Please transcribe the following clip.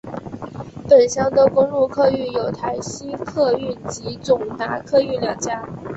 本乡的公路客运有台西客运及总达客运两家。